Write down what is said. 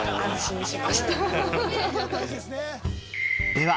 では